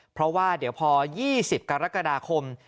เพราะว่าเดี๋ยวพอ๒๐กรกฎาคม